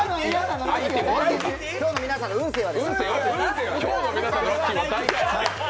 今日の皆さんの運勢は。